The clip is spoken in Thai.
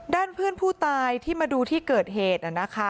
ด้านเพื่อนผู้ตายที่มาดูที่เกิดเหตุ